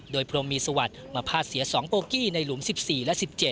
โดยพรมมีสวัสดิ์มาพาดเสีย๒โกกี้ในหลุม๑๔และ๑๗